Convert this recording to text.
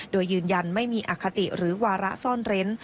โดยยืนยันไม่มีอคติหรือวาระซ่อนเร้น